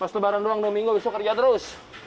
pas lebaran doang domingo besok kerja terus